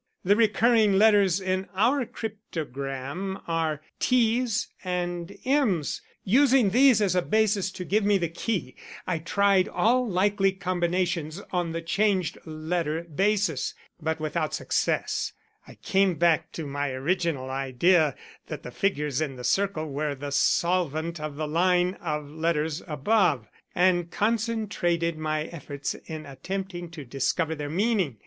The recurring letters in our cryptogram are T's and M's. Using these as a basis to give me the key, I tried all likely combinations on the changed letter basis, but without success. "I came back to my original idea that the figures in the circle were the solvent of the line of letters above, and concentrated my efforts in attempting to discover their meaning.